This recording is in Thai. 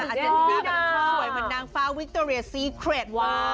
อาเจนติน่าสวยเหมือนนางฟ้าวิคเตอร์เรียซีเครต